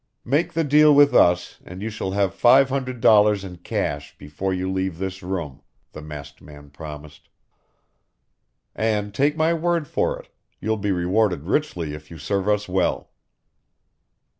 "Make the deal with us, and you shall have five hundred dollars in cash before you leave this room," the masked man promised. "And, take my word for it, you'll be rewarded richly if you serve us well."